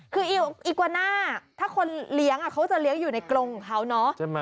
คืออีกวาน่าถ้าคนเลี้ยงเขาจะเลี้ยงอยู่ในกรงของเขาเนาะ